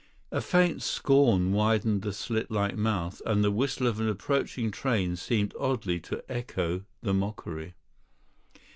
A faint scorn widened the slit like mouth, and the whistle of an approaching train seemed oddly to echo the mockery.